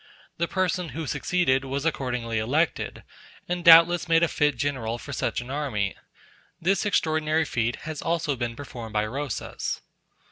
The person who succeeded was accordingly elected; and doubtless made a fit general for such an army. This extraordinary feat has also been performed by Rosas.